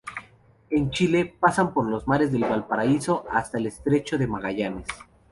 En Chile, pasan por los mares de Valparaíso hasta el estrecho de Magallanes.